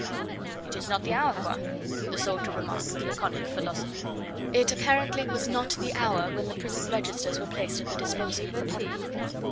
"It is not the hour quoi?" the soldier remarked with laconic philosophy. It apparently was not the hour when the prison registers were placed at the disposal of the public.